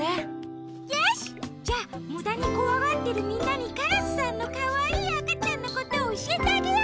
よし！じゃむだにこわがってるみんなにカラスさんのかわいいあかちゃんのことおしえてあげよう！